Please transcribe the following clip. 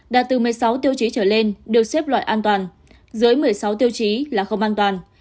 đạt từ một mươi sáu tiêu chí trở lên đều xếp loại an toàn dưới một mươi sáu tiêu chí là không an toàn